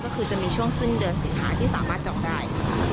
ก็คือจะมีช่วงสิ้นเดือนสิงหาที่สามารถจองได้